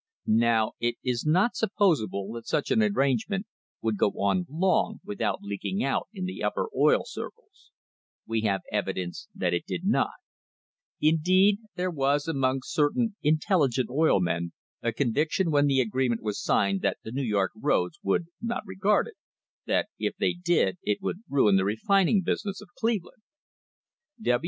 Now it is not supposable that such an arrangement would go on long without leaking out in the upper oil circles. We have evidence that it did not. Indeed, there was among cer tain intelligent oil men a conviction when the agreement was signed that the New York roads would not regard it — that *See Appendix, Number 3. [ I30] LAYING THE FOUNDATIONS OF A TRUST if they did it would ruin the refining business of Cleveland.